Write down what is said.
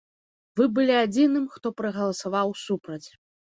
Вы былі адзіным, хто прагаласаваў супраць.